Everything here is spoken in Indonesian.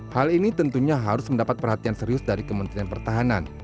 hal ini tentunya harus mendapat perhatian serius dari kementerian pertahanan